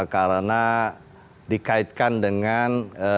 karena dikaitkan dengan